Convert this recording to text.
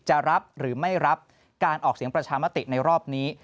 จะรับหรือไม่รับการออกเสียงประชามติในรอบนี้